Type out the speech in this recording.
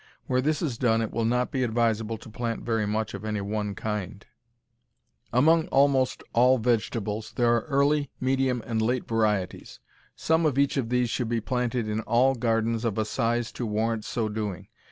Where this is done it will not be advisable to plant very much of any one kind. Among almost all vegetables there are early, medium, and late varieties. Some of each of these should be planted in all gardens of a size to warrant so doing.